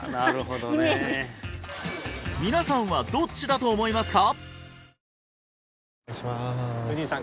イメージ皆さんはどっちだと思いますか？